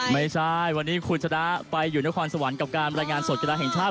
ไม่ใช่วันนี้คุณชนะไปอยู่นครสวรรค์กับการรายงานสดกีฬาแห่งชาติ